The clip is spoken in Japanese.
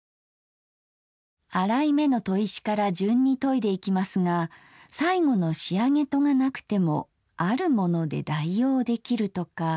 粗い目の砥石から順に研いでいきますが最後の仕上げ砥がなくても「あるもの」で代用できるとか。